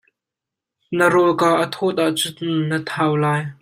Na rawlka a thawt ahcun na thau la.